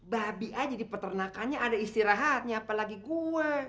babi aja di peternakanya ada istirahatnya apalagi gue